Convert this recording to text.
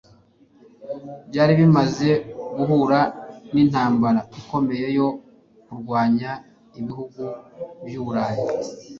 byari bimaze guhura n'intambara ikomeye yo kurwanya ibihugu by'uburayi